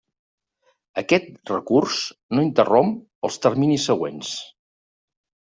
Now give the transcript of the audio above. Aquest recurs no interromp els terminis següents.